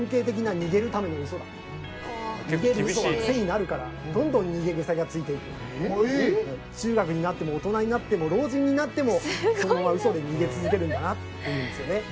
「にげるウソはクセになるからどんどんにげグセがついていく」「中学になっても大人になっても老人になってもそのままウソでにげ続けるんだな」って言うんですよね。